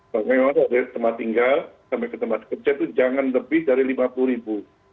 karena yang ada dari tempat tinggal sampai ke tempat kerja itu jangan lebih dari rp lima puluh